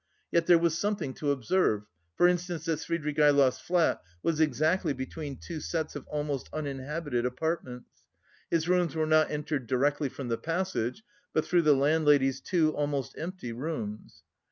Yet there was something to observe, for instance, that Svidrigaïlov's flat was exactly between two sets of almost uninhabited apartments. His rooms were not entered directly from the passage, but through the landlady's two almost empty rooms.